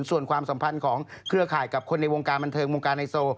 ส่วนความสัมพันธ์ของเครือข่ายกับคนในวงการบันเทิงวงการไฮโซ